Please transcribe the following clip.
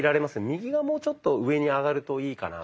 右がもうちょっと上に上がるといいかなって。